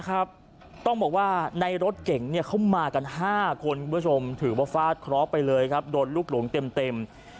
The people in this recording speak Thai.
ครับต้องบอกว่าในรถเก่งเนี่ยเขามากัน๕คนคุณผู้ชมถือว่าฟาดเคราะห์ไปเลยครับโดนลูกหลงเต็ม